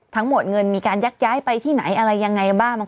เงินมีการยักย้ายไปที่ไหนอะไรยังไงบ้าง